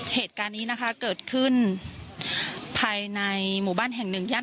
เหตุการณ์นี้นะคะเกิดขึ้นภายในหมู่บ้านแห่งหนึ่งย่าน